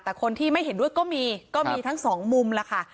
แต่คนที่ไม่เห็นด้วยก็มีก็มีทั้งสองมุมแล้วค่ะ